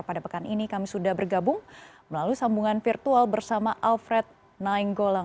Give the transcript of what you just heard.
pada pekan ini kami sudah bergabung melalui sambungan virtual bersama alfred nainggolang